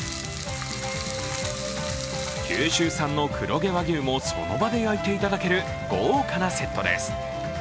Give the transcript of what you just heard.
九州産の黒毛和牛もその場で焼いていただける豪華なセットです。